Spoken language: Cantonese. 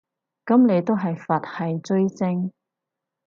噉你都係佛系追星